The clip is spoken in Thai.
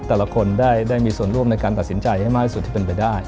แต่ละคนได้มีส่วนร่วมในการตัดสินใจให้มากที่สุดที่เป็นไปได้